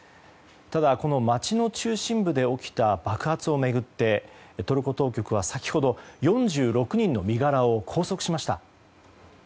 ただ、この街の中心部で起きた爆発を巡ってトルコ当局は、先ほど４６人の身柄を拘束しました。